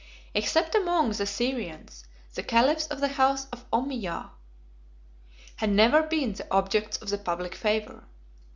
Except among the Syrians, the caliphs of the house of Ommiyah had never been the objects of the public favor.